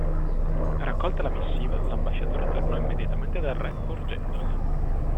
Raccolta la missiva, l'ambasciatore tornò immediatamente dal Re, porgendola.